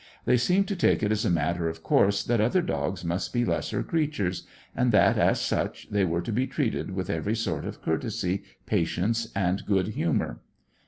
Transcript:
They seemed to take it as a matter of course that other dogs must be lesser creatures, and that as such they were to be treated with every sort of courtesy, patience, and good humour.